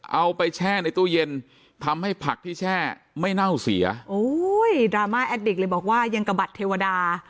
แช่ในตู้เย็นทำให้ผักที่แช่ไม่เน่าเสียโอ้ยดราม่าแอดดิกเลยบอกว่ายังกระบัดเทวดา